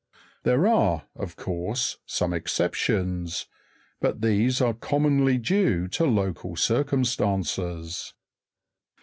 There are of course some exceptions, but these are commonly due to local circum stances.